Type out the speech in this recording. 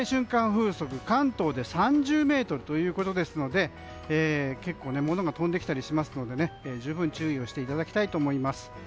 風速関東で３０ｍということですので結構ものが飛んできたりするので十分注意していただきたいです。